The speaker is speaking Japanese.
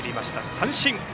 三振。